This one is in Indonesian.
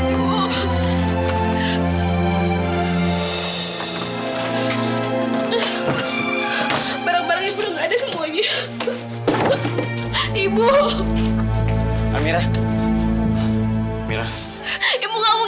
ibu gak boleh tinggalin amira ibu